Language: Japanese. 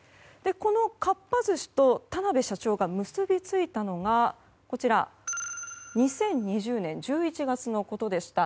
このかっぱ寿司と田邊社長が結びついたのが２０２０年１１月のことでした。